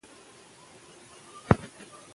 زده کړې نجونې د ټولنې ګډې هڅې منظموي.